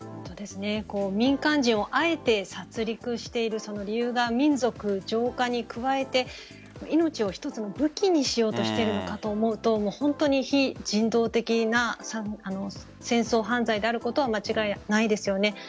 民間人をあえて殺りくしている理由が民族浄化に加えて命を一つの武器にしようとしているのかと思うと本当に非人道的な戦争犯罪であることは間違いないですよね。